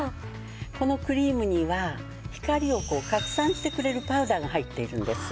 このクリームには光をこう拡散してくれるパウダーが入っているんです。